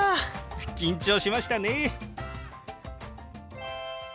緊張しましたね。